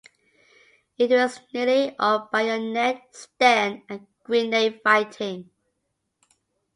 It was nearly all bayonet, Sten and grenade fighting.